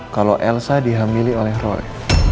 kalau elsa dihamili oleh roy